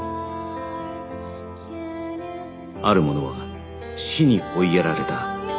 ある者は死に追いやられた